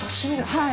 はい。